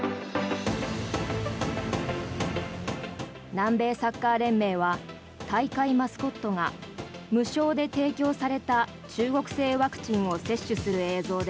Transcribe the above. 南米サッカー連盟は大会マスコットが無償で提供された中国製ワクチンを接種する映像で